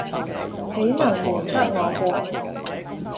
豈能瞞得我過。